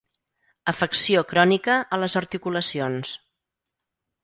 Afecció crònica a les articulacions.